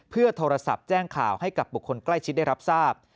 เพื่อโทรศัพท์แจ้งข่าวให้กับบุคคลใกล้ชิดได้รับทราบ